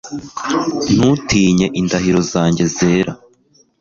Ntutinye indahiro zanjye zera